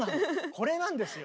これなんですよ！